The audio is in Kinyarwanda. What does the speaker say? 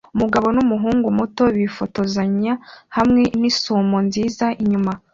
Umugabo numuhungu muto bifotozanya hamwe nisumo nziza inyuma